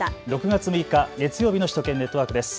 ６月６日月曜日の首都圏ネットワークです。